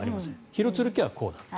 廣津留家はこうだった。